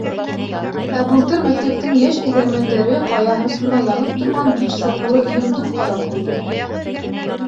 Ә былтыр мәктәптең йәш эҙәрмәндәре ҡая һыртына янып торған биш сатлы йондоҙ ҡаҙап ҡуйҙы.